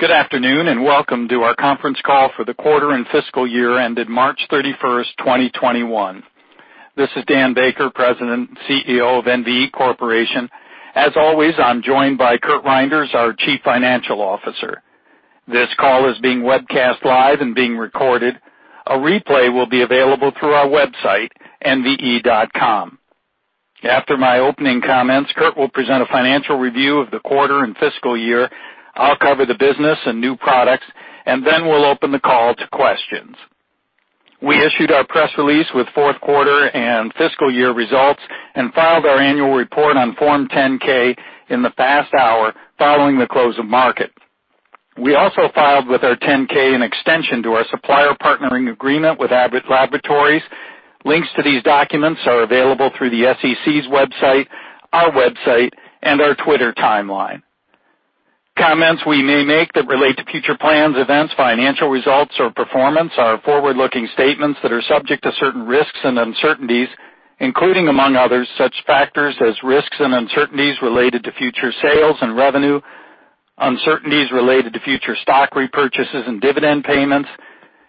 Good afternoon, welcome to our conference call for the quarter and fiscal year ended March 31st, 2021. This is Dan Baker, President and CEO of NVE Corporation. As always, I'm joined by Curt Reynders, our Chief Financial Officer. This call is being webcast live and being recorded. A replay will be available through our website, nve.com. After my opening comments, Curt will present a financial review of the quarter and fiscal year. I'll cover the business and new products, and then we'll open the call to questions. We issued our press release with fourth quarter and fiscal year results and filed our annual report on Form 10-K in the past hour following the close of market. We also filed with our 10-K an extension to our supplier partnering agreement with Abbott Laboratories. Links to these documents are available through the SEC's website, our website, and our Twitter timeline. Comments we may make that relate to future plans, events, financial results, or performance are forward-looking statements that are subject to certain risks and uncertainties, including, among others, such factors as risks and uncertainties related to future sales and revenue, uncertainties related to future stock repurchases and dividend payments,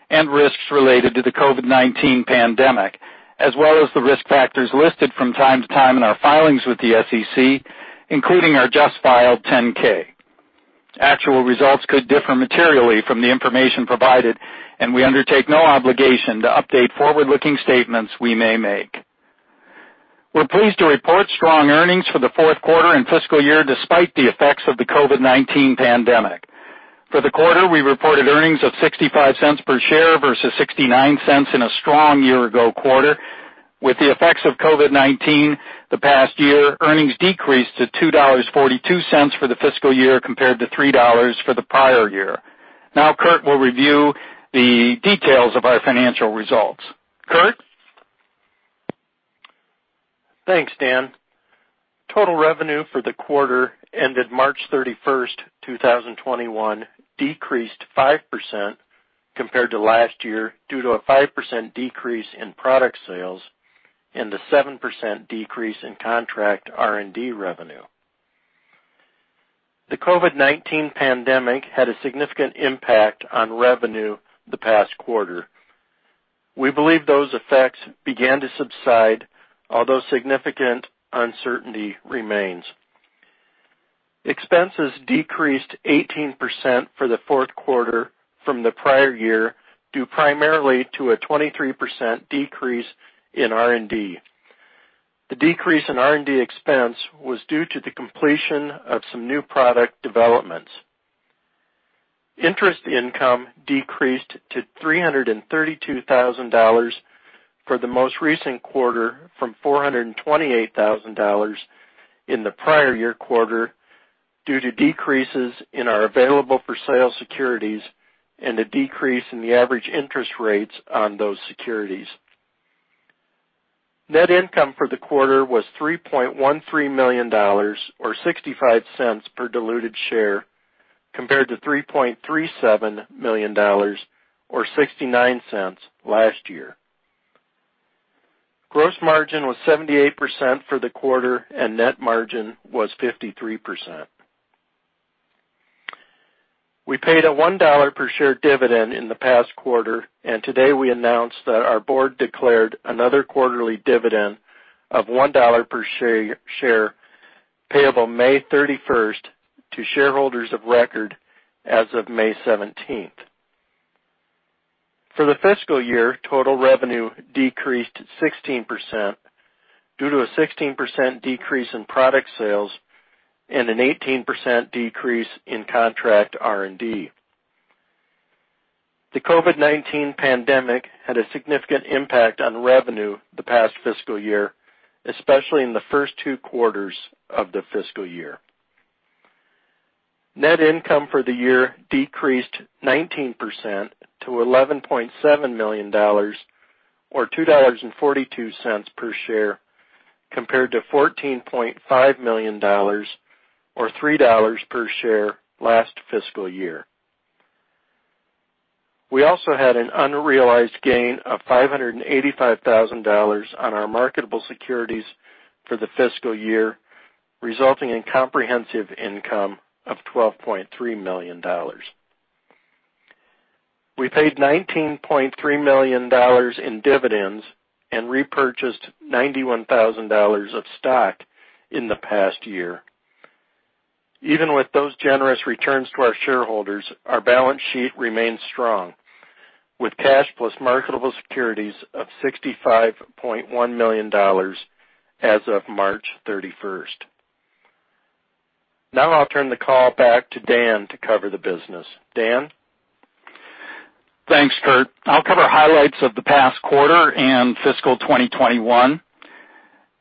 and risks related to the COVID-19 pandemic, as well as the risk factors listed from time to time in our filings with the SEC, including our just filed 10-K. Actual results could differ materially from the information provided, and we undertake no obligation to update forward-looking statements we may make. We're pleased to report strong earnings for the fourth quarter and fiscal year, despite the effects of the COVID-19 pandemic. For the quarter, we reported earnings of $0.65 per share versus $0.69 in a strong year-ago quarter. With the effects of COVID-19 the past year, earnings decreased to $2.42 for the fiscal year, compared to $3 for the prior year. Now, Curt will review the details of our financial results. Curt? Thanks, Dan. Total revenue for the quarter ended March 31st, 2021 decreased 5% compared to last year, due to a 5% decrease in product sales and a 7% decrease in contract R&D revenue. The COVID-19 pandemic had a significant impact on revenue the past quarter. We believe those effects began to subside, although significant uncertainty remains. Expenses decreased 18% for the fourth quarter from the prior year, due primarily to a 23% decrease in R&D. The decrease in R&D expense was due to the completion of some new product developments. Interest income decreased to $332,000 for the most recent quarter from $428,000 in the prior year quarter due to decreases in our available-for-sale securities and a decrease in the average interest rates on those securities. Net income for the quarter was $3.13 million, or $0.65 per diluted share, compared to $3.37 million, or $0.69 last year. Gross margin was 78% for the quarter, and net margin was 53%. We paid a $1 per share dividend in the past quarter, and today we announced that our board declared another quarterly dividend of $1 per share payable May 31st to shareholders of record as of May 17th. For the fiscal year, total revenue decreased 16% due to a 16% decrease in product sales and an 18% decrease in contract R&D. The COVID-19 pandemic had a significant impact on revenue the past fiscal year, especially in the first two quarters of the fiscal year. Net income for the year decreased 19% to $11.7 million, or $2.42 per share, compared to $14.5 million, or $3 per share last fiscal year. We also had an unrealized gain of $585,000 on our marketable securities for the fiscal year, resulting in comprehensive income of $12.3 million. We paid $19.3 million in dividends and repurchased $91,000 of stock in the past year. Even with those generous returns to our shareholders, our balance sheet remains strong, with cash plus marketable securities of $65.1 million as of March 31st. I'll turn the call back to Dan to cover the business. Dan? Thanks, Curt. I'll cover highlights of the past quarter and fiscal 2021.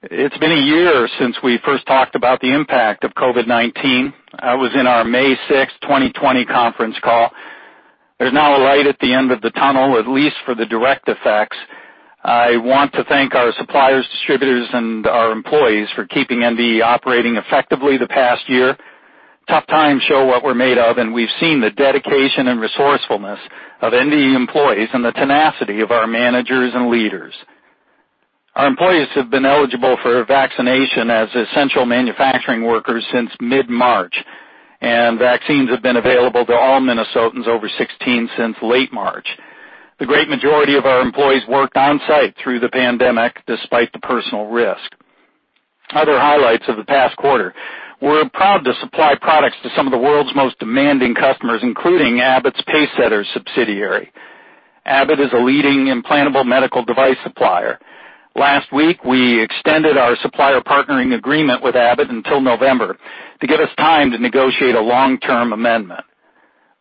It's been a year since we first talked about the impact of COVID-19. That was in our May 6th, 2020 conference call. There's now a light at the end of the tunnel, at least for the direct effects. I want to thank our suppliers, distributors, and our employees for keeping NVE operating effectively the past year. Tough times show what we're made of, and we've seen the dedication and resourcefulness of NVE employees and the tenacity of our managers and leaders. Our employees have been eligible for vaccination as essential manufacturing workers since mid-March, and vaccines have been available to all Minnesotans over 16 since late March. The great majority of our employees worked on-site through the pandemic, despite the personal risk. Other highlights of the past quarter, we're proud to supply products to some of the world's most demanding customers, including Abbott's Pacesetter subsidiary. Abbott is a leading implantable medical device supplier. Last week, we extended our supplier partnering agreement with Abbott until November to give us time to negotiate a long-term amendment.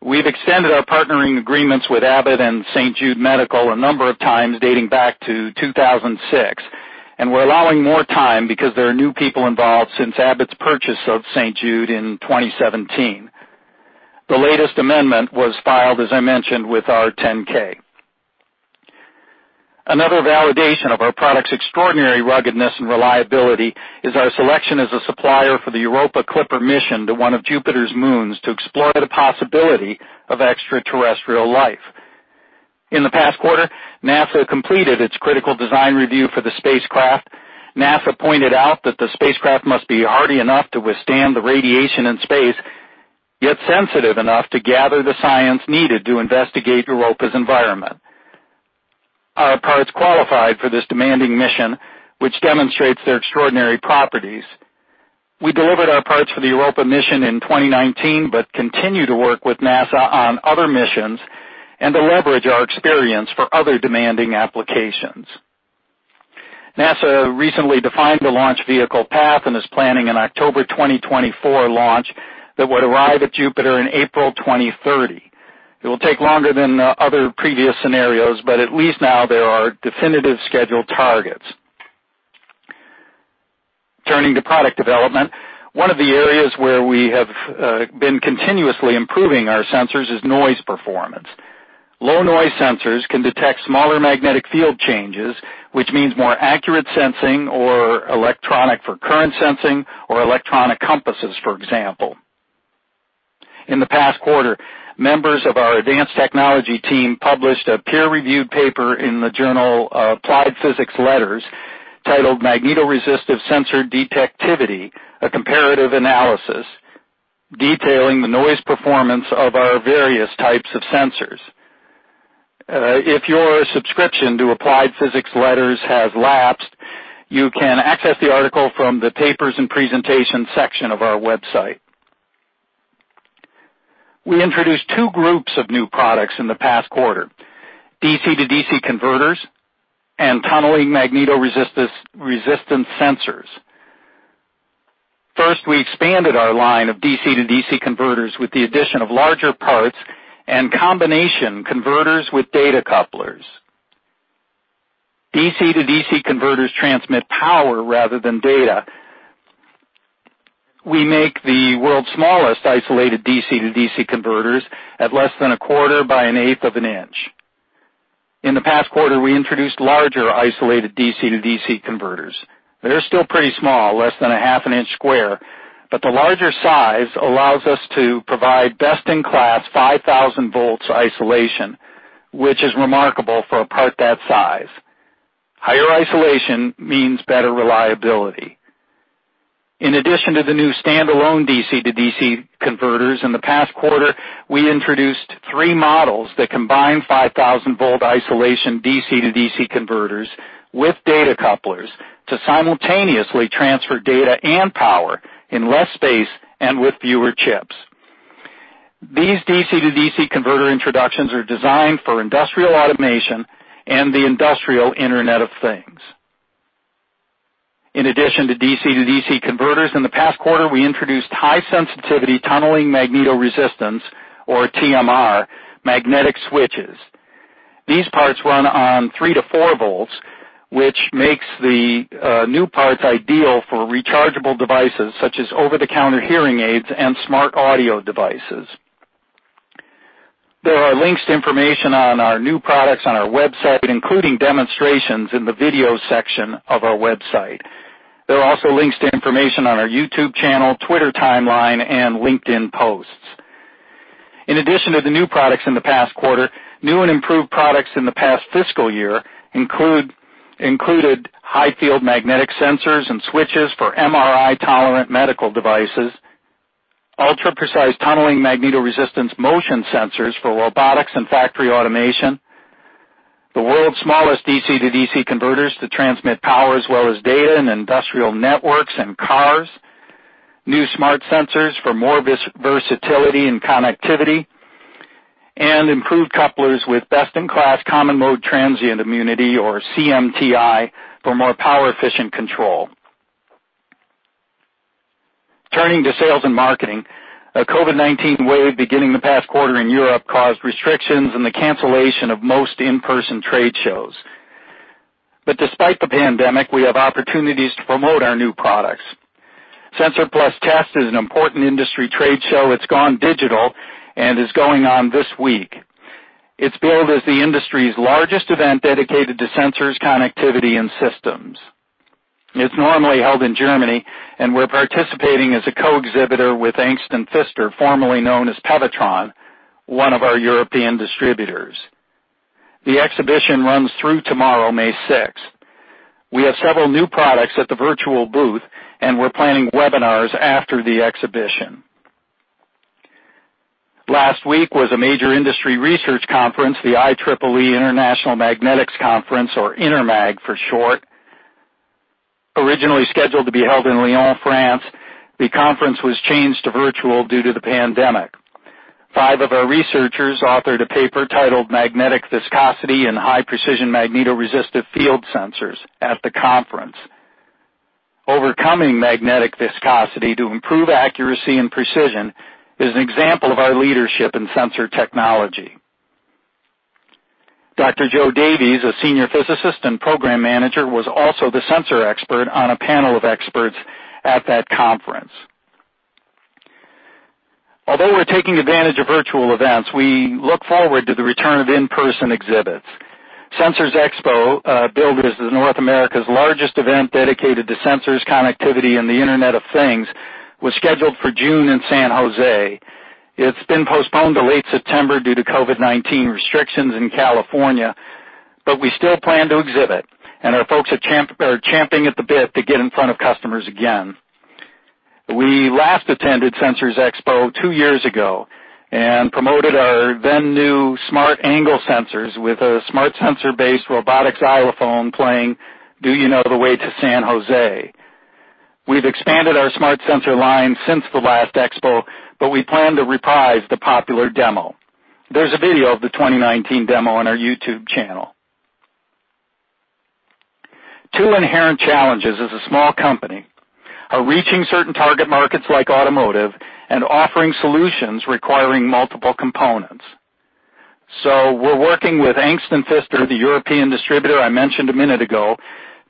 We've extended our partnering agreements with Abbott and St. Jude Medical a number of times, dating back to 2006, and we're allowing more time because there are new people involved since Abbott's purchase of St. Jude in 2017. The latest amendment was filed, as I mentioned, with our 10-K. Another validation of our product's extraordinary ruggedness and reliability is our selection as a supplier for the Europa Clipper mission to one of Jupiter's moons to explore the possibility of extraterrestrial life. In the past quarter, NASA completed its critical design review for the spacecraft. NASA pointed out that the spacecraft must be hardy enough to withstand the radiation in space, yet sensitive enough to gather the science needed to investigate Europa's environment. Our parts qualified for this demanding mission, which demonstrates their extraordinary properties. We delivered our parts for the Europa mission in 2019, but continue to work with NASA on other missions and to leverage our experience for other demanding applications. NASA recently defined the launch vehicle path and is planning an October 2024 launch that would arrive at Jupiter in April 2030. It will take longer than other previous scenarios, but at least now there are definitive schedule targets. Turning to product development, one of the areas where we have been continuously improving our sensors is noise performance. Low noise sensors can detect smaller magnetic field changes, which means more accurate sensing or electronic for current sensing or electronic compasses, for example. In the past quarter, members of our advanced technology team published a peer-reviewed paper in the journal Applied Physics Letters titled "Magnetoresistive Sensor Detectivity: A Comparative Analysis," detailing the noise performance of our various types of sensors. If your subscription to Applied Physics Letters has lapsed, you can access the article from the Papers and Presentation section of our website. We introduced two groups of new products in the past quarter, DC-to-DC converters and tunneling magnetoresistance sensors. First, we expanded our line of DC-to-DC converters with the addition of larger parts and combination converters with data couplers. DC-to-DC converters transmit power rather than data. We make the world's smallest isolated DC-to-DC converters at less than a quarter by an eighth of an inch. In the past quarter, we introduced larger isolated DC-to-DC converters. They're still pretty small, less than a half an inch square, but the larger size allows us to provide best-in-class 5,000 volts isolation, which is remarkable for a part that size. Higher isolation means better reliability. In addition to the new standalone DC-to-DC converters, in the past quarter, we introduced three models that combine 5,000-volt isolation DC-to-DC converters with data couplers to simultaneously transfer data and power in less space and with fewer chips. These DC-to-DC converter introductions are designed for industrial automation and the industrial Internet of Things. In addition to DC-to-DC converters, in the past quarter, we introduced high-sensitivity tunneling magnetoresistance, or TMR, magnetic switches. These parts run on three to four volts, which makes the new parts ideal for rechargeable devices such as over-the-counter hearing aids and smart audio devices. There are links to information on our new products on our website, including demonstrations in the video section of our website. There are also links to information on our YouTube channel, Twitter timeline, and LinkedIn posts. In addition to the new products in the past quarter, new and improved products in the past fiscal year included high field magnetic sensors and switches for MRI-tolerant medical devices, ultra-precise tunneling magnetoresistance motion sensors for robotics and factory automation, the world's smallest DC-to-DC converters to transmit power as well as data in industrial networks and cars, new smart sensors for more versatility and connectivity, and improved couplers with best-in-class common mode transient immunity, or CMTI, for more power efficient control. Turning to sales and marketing, a COVID-19 wave beginning the past quarter in Europe caused restrictions and the cancellation of most in-person trade shows. Despite the pandemic, we have opportunities to promote our new products. SENSOR+TEST is an important industry trade show. It's gone digital and is going on this week. It's billed as the industry's largest event dedicated to sensors, connectivity, and systems. It's normally held in Germany, we're participating as a co-exhibitor with Angst+Pfister, formerly known as Pewatron, one of our European distributors. The exhibition runs through tomorrow, May 6th. We have several new products at the virtual booth, we're planning webinars after the exhibition. Last week was a major industry research conference, the IEEE International Magnetics Conference, or INTERMAG for short. Originally scheduled to be held in Lyon, France, the conference was changed to virtual due to the pandemic. Five of our researchers authored a paper titled "Magnetic Viscosity in High-Precision Magnetoresistive Field Sensors" at the conference. Overcoming magnetic viscosity to improve accuracy and precision is an example of our leadership in sensor technology. Dr. Joe Davies, a Senior Physicist and program manager, was also the sensor expert on a panel of experts at that conference. Although we're taking advantage of virtual events, we look forward to the return of in-person exhibits. Sensors Expo, billed as North America's largest event dedicated to sensors, connectivity, and the Internet of Things, was scheduled for June in San Jose. It's been postponed to late September due to COVID-19 restrictions in California. We still plan to exhibit, and our folks are champing at the bit to get in front of customers again. We last attended Sensors Converge two years ago and promoted our then-new smart angle sensors with a smart sensor-based robotics xylophone playing, "Do You Know the Way to San Jose" We've expanded our smart sensor line since the last expo, but we plan to reprise the popular demo. There's a video of the 2019 demo on our YouTube channel. Two inherent challenges as a small company are reaching certain target markets like automotive and offering solutions requiring multiple components. We're working with Angst+Pfister, the European distributor I mentioned a minute ago,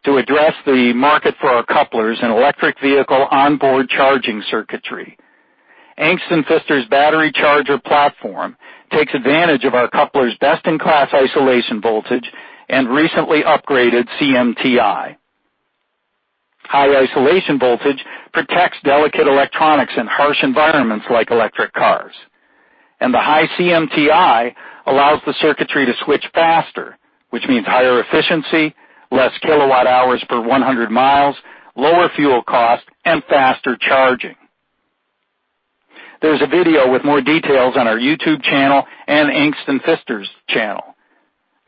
to address the market for our couplers in electric vehicle onboard charging circuitry. Angst+Pfister's battery charger platform takes advantage of our coupler's best-in-class isolation voltage and recently upgraded CMTI. High isolation voltage protects delicate electronics in harsh environment like electric cars. The high CMTI allows the circuitry to switch faster, which means higher efficiency, less kilowatt hours per 100 miles, lower fuel cost, and faster charging. There's a video with more details on our YouTube channel and Angst+Pfister's channel.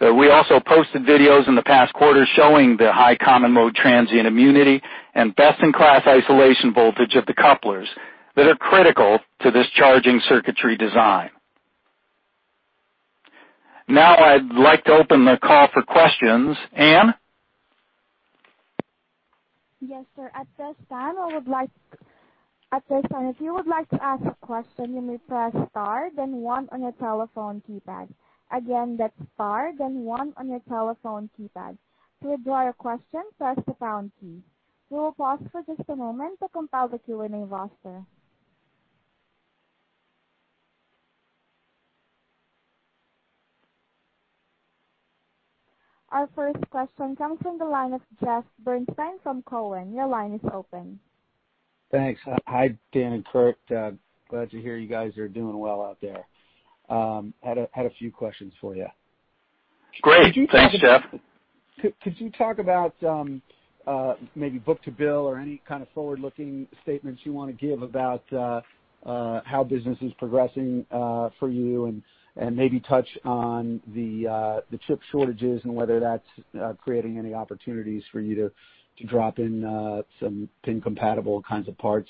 We also posted videos in the past quarter showing the high common mode transient immunity and best-in-class isolation voltage of the couplers that are critical to this charging circuitry design. Now I'd like to open the call for questions. Anne? Yes, sir. At this time, if you would like to ask a question, you may press star, then one on your telephone keypad. Again, that's star, then one on your telephone keypad. To withdraw your question, press the pound key. We will pause for just a moment to compile the Q&A roster. Our first question comes from the line of Jeff Bernstein from Cowen. Your line is open. Thanks. Hi, Dan and Curt. Glad to hear you guys are doing well out there. Had a few questions for you. Great. Thanks, Jeff. Could you talk about maybe book to bill or any kind of forward-looking statements you want to give about how business is progressing for you and maybe touch on the chip shortages and whether that's creating any opportunities for you to drop in some pin-compatible kinds of parts?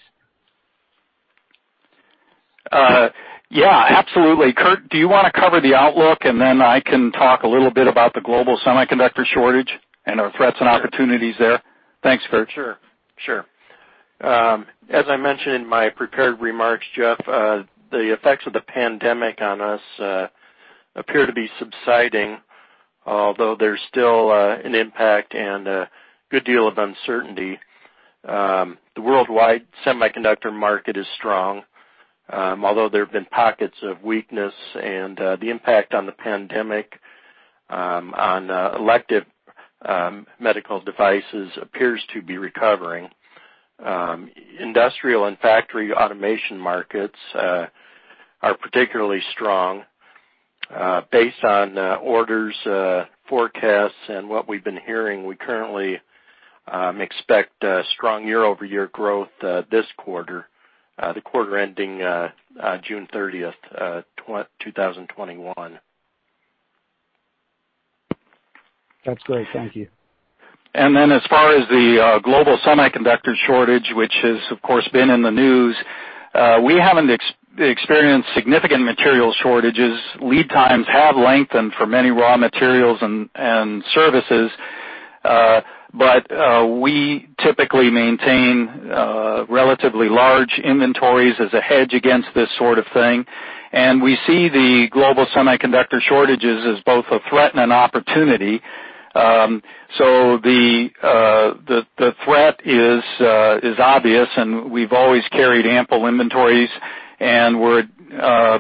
Yeah, absolutely. Curt, do you want to cover the outlook, and then I can talk a little bit about the global semiconductor shortage and our threats and opportunities there? Thanks, Curt. Sure. As I mentioned in my prepared remarks, Jeff, the effects of the pandemic on us appear to be subsiding, although there's still an impact and a good deal of uncertainty. The worldwide semiconductor market is strong, although there have been pockets of weakness, and the impact on the pandemic on elective medical devices appears to be recovering. Industrial and factory automation markets are particularly strong. Based on orders, forecasts, and what we've been hearing, we currently expect strong year-over-year growth this quarter, the quarter ending June 30th, 2021. That's great. Thank you. As far as the global semiconductor shortage, which has, of course, been in the news, we haven't experienced significant material shortages. Lead times have lengthened for many raw materials and services. We typically maintain relatively large inventories as a hedge against this sort of thing, and we see the global semiconductor shortages as both a threat and an opportunity. The threat is obvious, and we've always carried ample inventories, and we're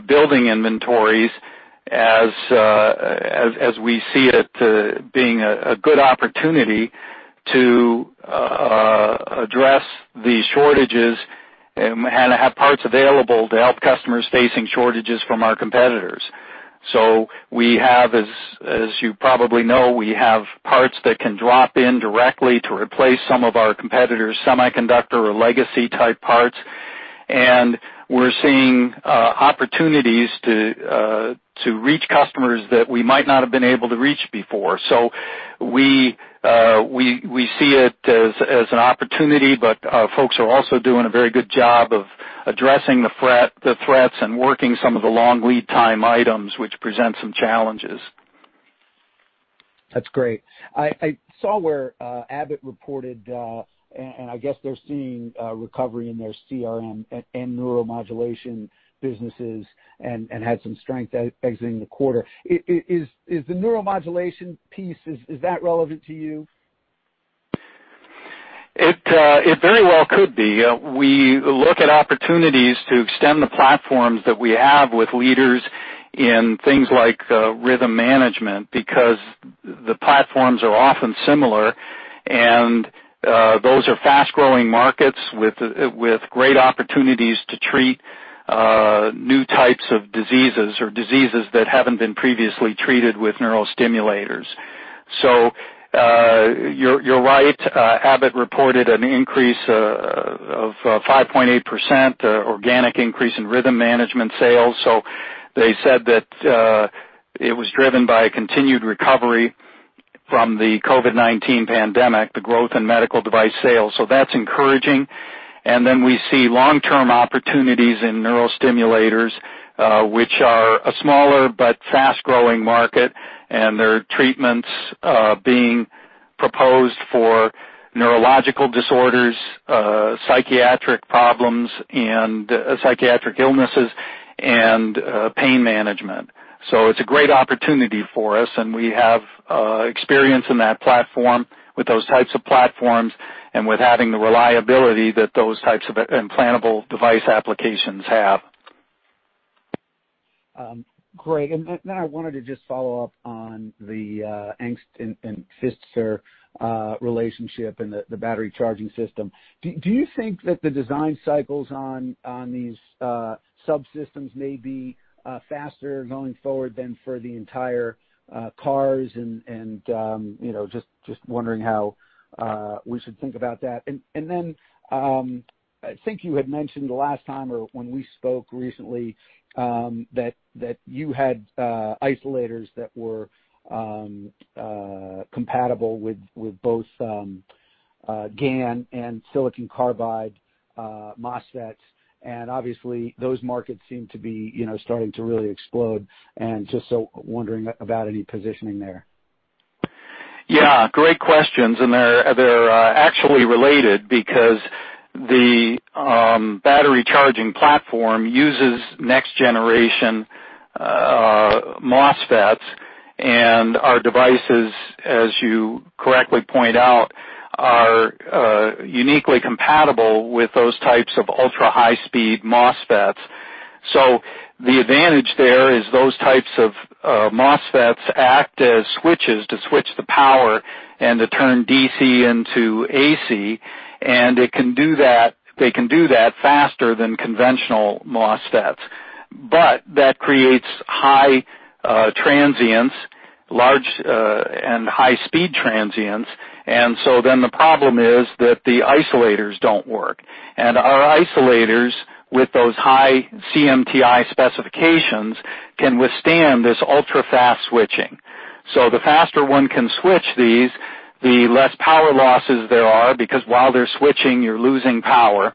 building inventories as we see it being a good opportunity to address the shortages and have parts available to help customers facing shortages from our competitors. As you probably know, we have parts that can drop in directly to replace some of our competitors' semiconductor or legacy type parts, and we're seeing opportunities to reach customers that we might not have been able to reach before. We see it as an opportunity, but our folks are also doing a very good job of addressing the threats and working some of the long lead time items, which present some challenges. That's great. I saw where Abbott reported, I guess they're seeing a recovery in their CRM and neuromodulation businesses and had some strength exiting the quarter. Is the neuromodulation piece, is that relevant to you? It very well could be. We look at opportunities to extend the platforms that we have with leaders in things like rhythm management, because the platforms are often similar, and those are fast-growing markets with great opportunities to treat new types of diseases or diseases that haven't been previously treated with neurostimulators. You're right. Abbott reported an increase of 5.8%, organic increase in rhythm management sales. They said that it was driven by a continued recovery from the COVID-19 pandemic, the growth in medical device sales. That's encouraging. We see long-term opportunities in neurostimulators, which are a smaller but fast-growing market, and there are treatments being proposed for neurological disorders, psychiatric problems and psychiatric illnesses, and pain management. It's a great opportunity for us, and we have experience in that platform with those types of platforms and with having the reliability that those types of implantable device applications have. Great. Then I wanted to just follow up on the Angst+Pfister relationship and the battery charging system. Do you think that the design cycles on these subsystems may be faster going forward than for the entire cars and just wondering how we should think about that? Then, I think you had mentioned the last time or when we spoke recently, that you had isolators that were compatible with both GaN and silicon carbide MOSFETs. Obviously those markets seem to be starting to really explode and just so wondering about any positioning there? Yeah, great questions, they're actually related because the battery charging platform uses next generation MOSFETs and our devices, as you correctly point out, are uniquely compatible with those types of ultra-high speed MOSFETs. The advantage there is those types of MOSFETs act as switches to switch the power and to turn DC into AC. They can do that faster than conventional MOSFETs. That creates high transients, large and high-speed transients. The problem is that the isolators don't work. Our isolators with those high CMTI specifications can withstand this ultra-fast switching. The faster one can switch these, the less power losses there are, because while they're switching, you're losing power.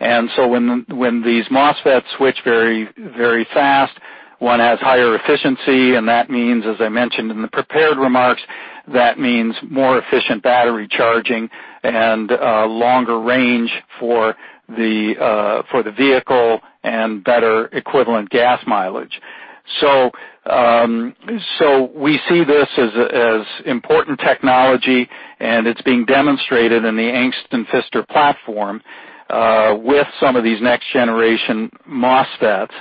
When these MOSFETs switch very fast, one has higher efficiency, and that means, as I mentioned in the prepared remarks, that means more efficient battery charging and longer range for the vehicle and better equivalent gas mileage. We see this as important technology, and it's being demonstrated in the Angst+Pfister platform, with some of these next generation MOSFETs.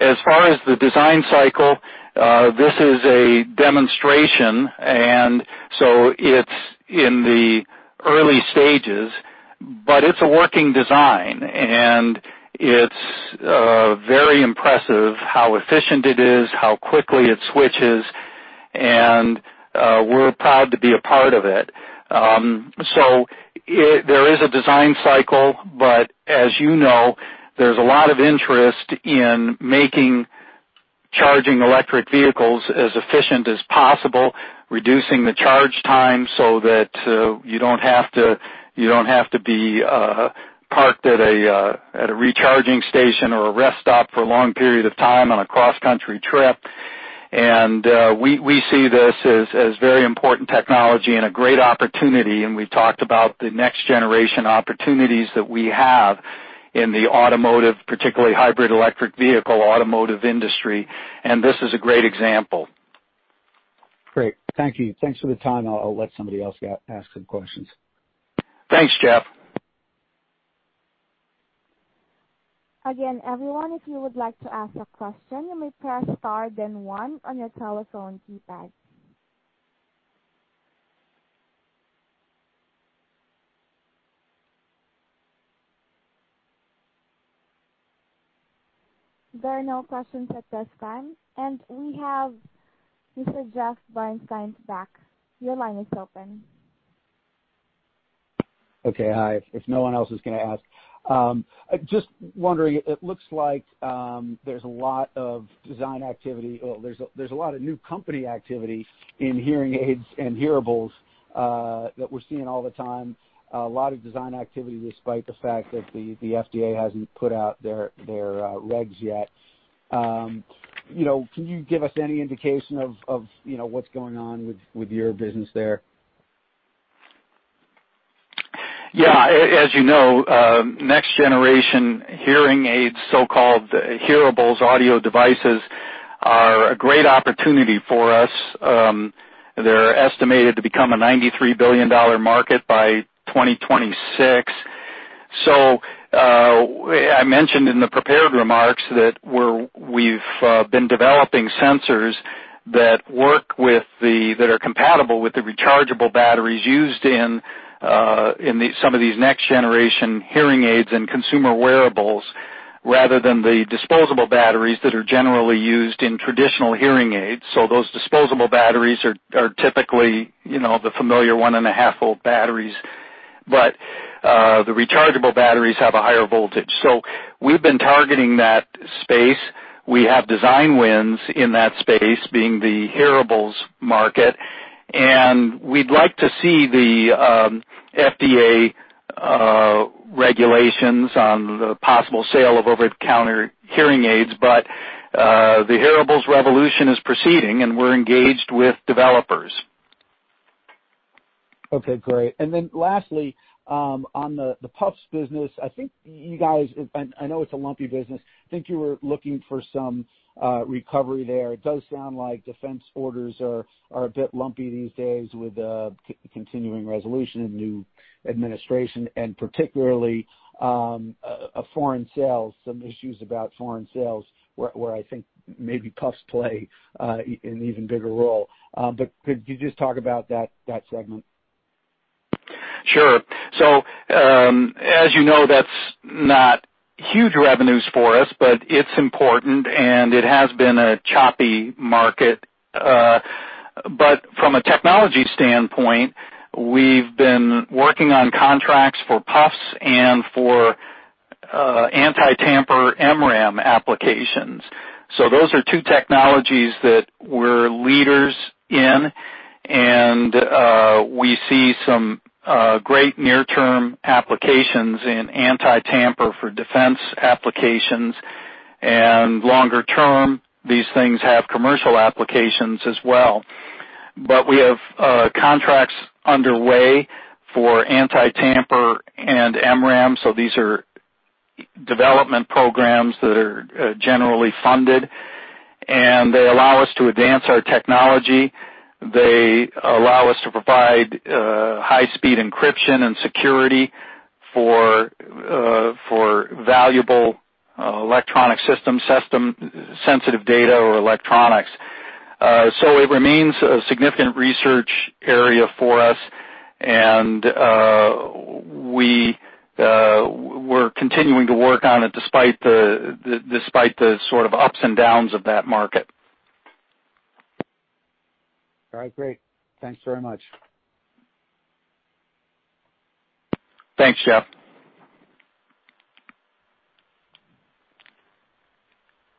As far as the design cycle, this is a demonstration, and so it's in the early stages. It's a working design, and it's very impressive how efficient it is, how quickly it switches, and we're proud to be a part of it. There is a design cycle, as you know, there's a lot of interest in making charging electric vehicles as efficient as possible, reducing the charge time so that you don't have to be parked at a recharging station or a rest stop for a long period of time on a cross-country trip. We see this as very important technology and a great opportunity, and we've talked about the next-generation opportunities that we have in the automotive, particularly hybrid electric vehicle automotive industry. This is a great example. Great. Thank you. Thanks for the time. I'll let somebody else ask some questions. Thanks, Jeff. Again, everyone, if you would like to ask a question, you may press star then one on your telephone keypad. There are no questions at this time, and we have Mr. Jeff Bernstein back. Your line is open. Okay, hi. If no one else is going to ask, just wondering, it looks like there's a lot of design activity. Well, there's a lot of new company activity in hearing aids and hearables that we're seeing all the time. A lot of design activity despite the fact that the FDA hasn't put out their regs yet. Can you give us any indication of what's going on with your business there? As you know, next generation hearing aids, so-called hearables audio devices, are a great opportunity for us. They're estimated to become a $93 billion market by 2026. I mentioned in the prepared remarks that we've been developing sensors that are compatible with the rechargeable batteries used in some of these next generation hearing aids and consumer wearables, rather than the disposable batteries that are generally used in traditional hearing aids. Those disposable batteries are typically the familiar 1.5 volt batteries. The rechargeable batteries have a higher voltage. We've been targeting that space. We have design wins in that space being the hearables market, and we'd like to see the FDA regulations on the possible sale of over-the-counter hearing aids. The hearables revolution is proceeding, and we're engaged with developers. Okay, great. Lastly, on the PUFs business, I know it's a lumpy business. I think you were looking for some recovery there. It does sound like defense orders are a bit lumpy these days with the continuing resolution and new administration, and particularly foreign sales, some issues about foreign sales, where I think maybe PUFs play an even bigger role. But could you just talk about that segment? Sure. As you know, that's not huge revenues for us, but it's important, and it has been a choppy market. From a technology standpoint, we've been working on contracts for PUFs and for anti-tamper MRAM applications. Those are two technologies that we're leaders in, and we see some great near-term applications in anti-tamper for defense applications. Longer term, these things have commercial applications as well. We have contracts underway for anti-tamper and MRAM. These are development programs that are generally funded, and they allow us to advance our technology. They allow us to provide high-speed encryption and security for valuable electronic system sensitive data or electronics. It remains a significant research area for us, and we're continuing to work on it despite the sort of ups and downs of that market. All right, great. Thanks very much. Thanks, Jeff.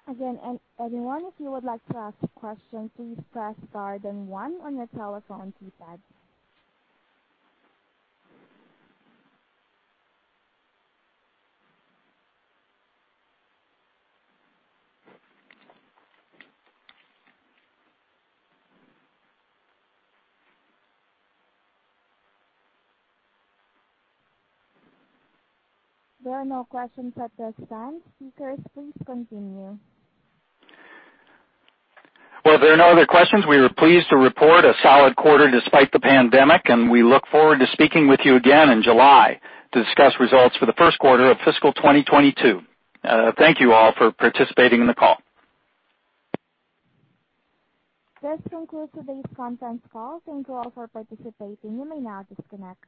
Again, anyone if you would like to ask a question, please press star then one on your telephone keypad. There are no questions at this time. Speakers, please continue. Well, if there are no other questions, we were pleased to report a solid quarter despite the pandemic, and we look forward to speaking with you again in July to discuss results for the first quarter of fiscal 2022. Thank you all for participating in the call. This concludes today's conference call. Thank you all for participating. You may now disconnect.